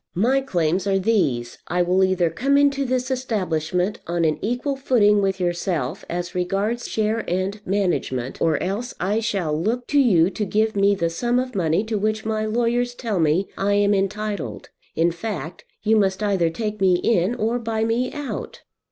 My claims are these: I will either come into this establishment on an equal footing with yourself, as regards share and management, or else I shall look to you to give me the sum of money to which my lawyers tell me I am entitled. In fact, you must either take me in or buy me out."